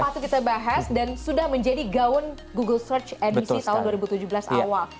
patut kita bahas dan sudah menjadi gaun google search edisi tahun dua ribu tujuh belas awal